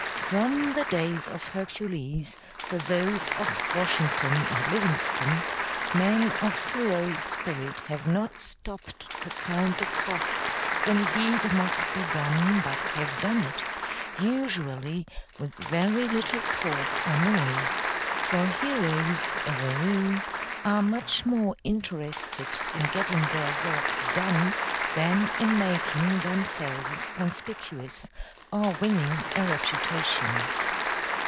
From the days of Hercules to those of Washington and Livingston, men of heroic spirit have not stopped to count the cost when a deed must be done but have done it, usually with very little talk or noise; for heroes, as a rule, are much more interested in getting their work done than in making themselves conspicuous or winning a reputation.